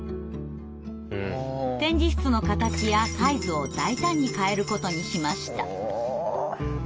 展示室の形やサイズを大胆に変えることにしました。